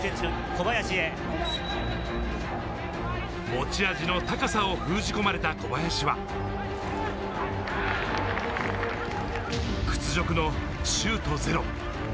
持ち味の高さを封じ込まれた小林は、屈辱のシュートゼロ。